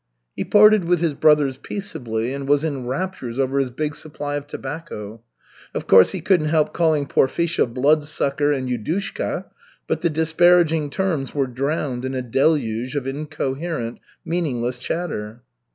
He parted with his brothers peaceably, and was in raptures over his big supply of tobacco. Of course, he couldn't help calling Porfisha Bloodsucker and Yudushka, but the disparaging terms were drowned in a deluge of incoherent, meaningless chatter.